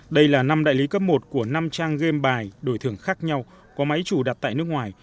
đây là năm đại lý cấp một của năm trang game bài đổi thưởng khác nhau có máy chủ đặt tại nước ngoài